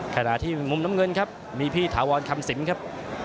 ขณะที่มุมน้ำเงินครับมีพี่ถาวรคำสิงครับ